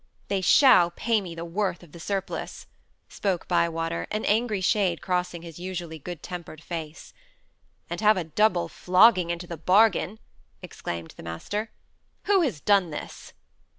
"They shall pay me the worth of the surplice," spoke Bywater, an angry shade crossing his usually good tempered face. "And have a double flogging into the bargain," exclaimed the master. "Who has done this?"